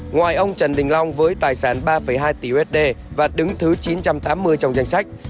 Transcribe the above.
ngoài ông trần đình long với tài sản ba hai tỷ usd và đứng thứ chín trăm tám mươi trong danh sách